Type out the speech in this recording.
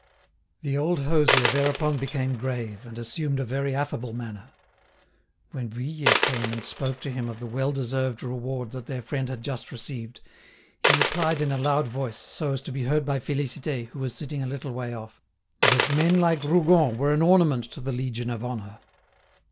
The old hosier thereupon became grave, and assumed a very affable manner. When Vuillet came and spoke to him of the well deserved reward that their friend had just received, he replied in a loud voice, so as to be heard by Félicité, who was sitting a little way off, that "men like Rougon were an ornament to the Legion of Honour."